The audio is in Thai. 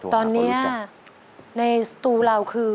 ตอนนี้ในสตูเราคือ